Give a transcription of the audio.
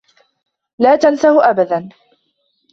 لا تنسه أبدا.